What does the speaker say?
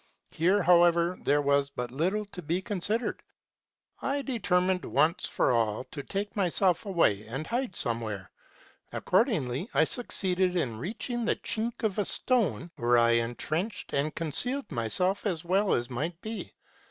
Here, however, there was but little to be considered. I determined, once for all, to take myself away, and hide somewhere. Accordingly, I succeeded in reaching the chink of a stone, where I intrenched and concealed my self as well as might be.